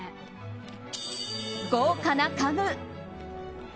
豪華な家具。